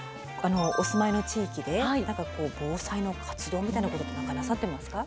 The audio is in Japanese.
お住まいの地域で何か防災の活動みたいなことって何かなさってますか？